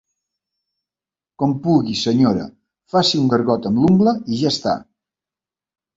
Com pugui, senyora, faci un gargot amb l'ungla i ja està.